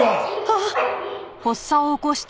あっ！？